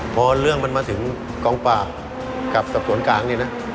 พอเรื่องมันมาถึงกองปากกับทบทวนกลางนี้นะ